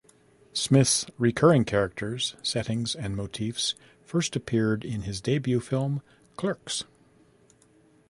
Smith's recurring characters, settings, and motifs first appeared in his debut film, "Clerks".